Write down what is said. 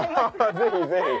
ぜひぜひ。